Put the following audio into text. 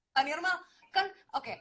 pak nirmal kan oke